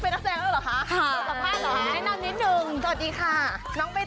น้องกระดาษอีกท่านหนึ่งก็คือด้านนั้น